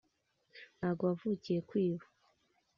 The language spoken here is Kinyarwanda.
ntago wavukiye kwiba,